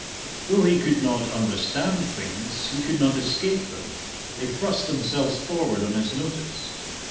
Though he could not understand things, he could not escape them; they thrust themselves forward on his notice.